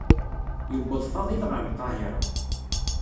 Yewweḍ Faḍil ɣer Lqahiṛa.